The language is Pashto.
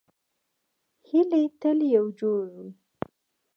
هیلۍ تل یو جوړ وي